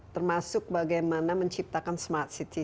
termasuk bagaimana menciptakan smart city